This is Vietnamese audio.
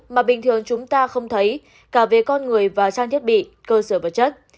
mà bình thường chúng ta không thấy cả về con người và trang thiết bị cơ sở vật chất